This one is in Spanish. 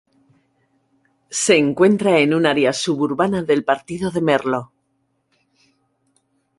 Se encuentra en un área suburbana del partido de Merlo.